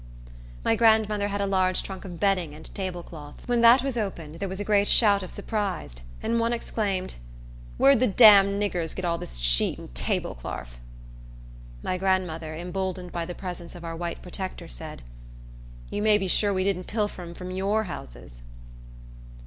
My grandmother had a large trunk of bedding and table cloths. When that was opened, there was a great shout of surprise; and one exclaimed, "Where'd the damned niggers git all dis sheet an' table clarf?" My grandmother, emboldened by the presence of our white protector said, "You may be sure we didn't pilfer 'em from your houses."